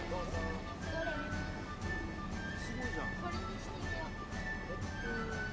これにしてみよう。